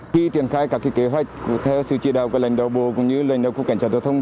khi triển khai các kế hoạch theo sự chỉ đạo của lãnh đạo bộ cũng như lãnh đạo cục cảnh sát giao thông